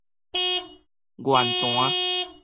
源泉